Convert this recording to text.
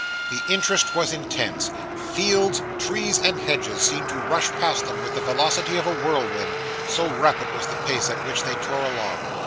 The interest was intense. Fields, trees, and hedges, seemed to rush past them with the velocity of a whirlwind, so rapid was the pace at which they tore along.